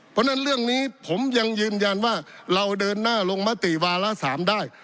เพราะฉะนั้นเรื่องนี้ผมยังยืนยันว่าเราเดินหน้าลงมติวาระ๓ได้